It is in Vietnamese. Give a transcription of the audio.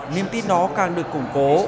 niềm tin đó càng được củng cố